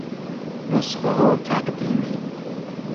نسخهُ تقدیمی